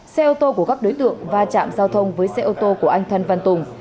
xe ô tô của các đối tượng va chạm giao thông với xe ô tô của anh thân văn tùng